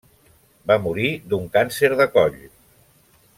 Va morir d'un càncer de coll.